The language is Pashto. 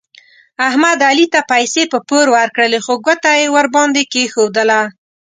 احمد علي ته پیسې په پور ورکړلې خو ګوته یې ور باندې کېښودله.